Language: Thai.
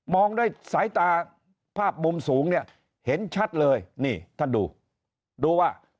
องด้วยสายตาภาพมุมสูงเนี่ยเห็นชัดเลยนี่ท่านดูดูว่า